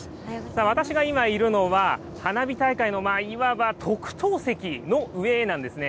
私が今、いるのは、花火大会のいわば特等席の上なんですね。